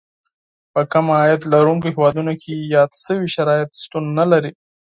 په کم عاید لرونکو هېوادونو کې یاد شوي شرایط شتون نه لري.